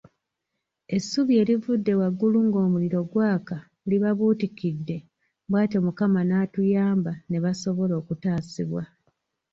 Essubi erivudde waggulu ng'omuliro gwaka libabuutikidde bw'atyo Mukama n'atuyamba ne basobola okutaasibwa.